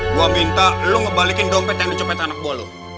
gue minta lo ngebalikin dompet yang dicopet anak buah lo